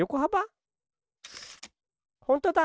ほんとだ！